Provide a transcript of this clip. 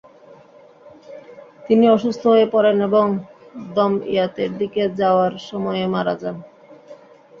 তিনি অসুস্থ হয়ে পড়েন এবং দমইয়াতের দিকে যাওয়ার সময়ে মারা যান।